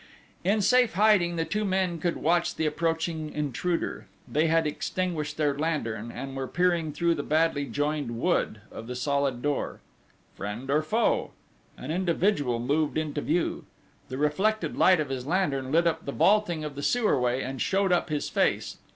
In safe hiding the two men could watch the approaching intruder: they had extinguished their lantern, and were peering through the badly joined wood of the solid door. Friend or foe? An individual moved into view. The reflected light of his lantern lit up the vaulting of the sewer way, and showed up his face.